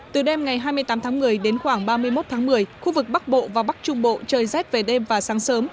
từ đêm ngày hai mươi tám tháng một mươi đến khoảng ba mươi một tháng một mươi khu vực bắc bộ và bắc trung bộ trời rét về đêm và sáng sớm